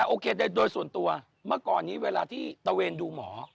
โอเคโดยส่วนตัวเมื่อก่อนนี้เวลาที่ตะเวนดูหมอ